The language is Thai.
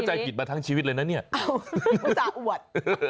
ก็ใจผิดมาทั้งชีวิตเลยนะเนี่ยอ้าวผู้จ่าอวด